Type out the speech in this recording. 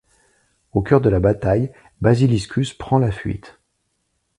Au cœur de la bataille, Basiliscus prend la fuite.